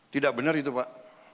tidak benar itu pak